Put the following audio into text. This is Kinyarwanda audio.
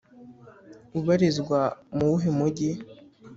Ubarizwa muwuhe mugi.